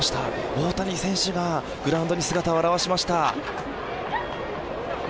大谷選手がグラウンドに姿を現しました。